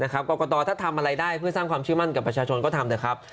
กรกตถ้าทำอะไรได้เพื่อสร้างความเชื่อมั่นกับประชาชนก็ทำเถอะครับ